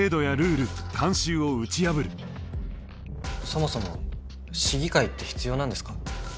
そもそも市議会って必要なんですか？